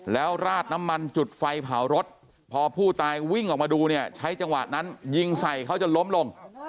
แล้วราดน้ำมันจุดไฟเผารถพอผู้ตายวิ่งออกมาดูเนี่ยใช้จังหวะนั้นยิงใส่เขาจนล้มลง